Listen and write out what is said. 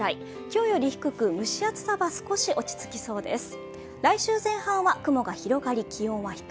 今日より低く、蒸し暑さが少し落ち着きそうです。